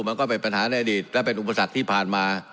มันก็เป็นปัญหาในอดีตและเป็นอุปสรรคที่ผ่านมา